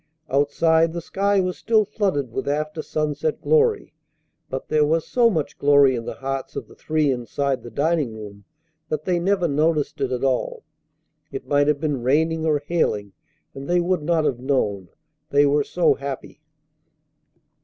Outside the sky was still flooded with after sunset glory, but there was so much glory in the hearts of the three inside the dining room that they never noticed it at all. It might have been raining or hailing, and they would not have known, they were so happy.